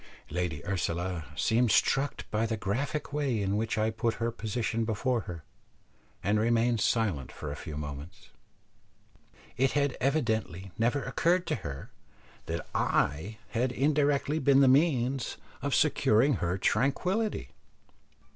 Lady Ursula seemed struck by the graphic way in which I put her position before her, and remained silent for a few moments. It had evidently never occurred to her, that I had indirectly been the means of securing her tranquillity.